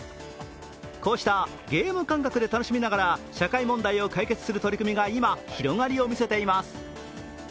こうしたゲーム感覚で楽しみながら社会問題を解決する取り組みが今、広がりを見せています。